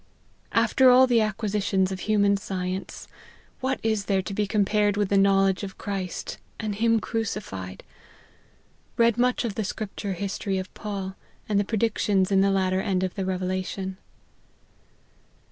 1 " After all the acquisitions of human science, what is there to be compared with the knowledge of Christ, and him crucified ! Read much of the scripture history of Saul, and the predictions in the latter end of the Revelation."